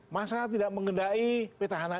masalah tidak mengendai petahana